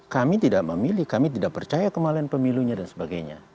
kami tidak memilih kami tidak percaya kemalian pemilunya dan sebagainya